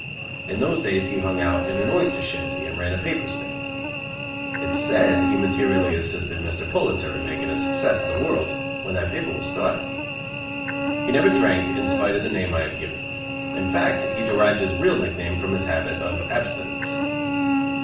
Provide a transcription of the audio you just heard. In those days he "hung out" in an oyster shanty and ran a paper stand. It is said he materially assisted Mr. Pulitzer in making a success of the World, when that paper was started. He never drank, in spite of the name I have given him. In fact, he derived his real nickname from his habit of abstinence.